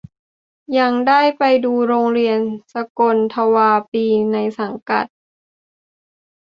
ยังได้ไปดูโรงเรียนสกลทวาปีในสังกัด